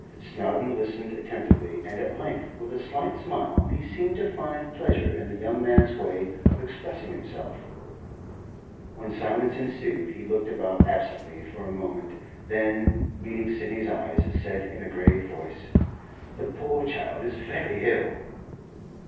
Snowdon listened attentively, and at length, with a slight smile; he seemed to find pleasure in the young man's way of expressing himself. When silence ensued, he looked about absently for a moment; then, meeting Sidney's eyes, said in a grave voice: 'That poor child is very ill.